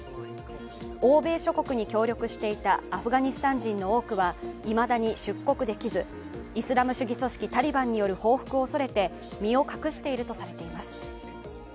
欧米諸国に協力していたアフガニスタン人の多くはいまだに出国できずイスラム主義組織タリバンによる報復を恐れて身を隠しているとされています。